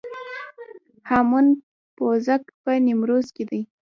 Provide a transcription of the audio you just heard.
هامون پوزک په نیمروز کې دی